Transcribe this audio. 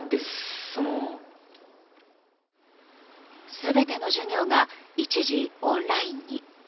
全ての授業が一時オンラインに。